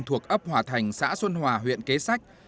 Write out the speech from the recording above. thuộc ấp hòa thành xã xuân hòa huyện kế sách